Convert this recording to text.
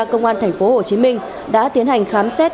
công an tp hcm đã tiến hành khám xét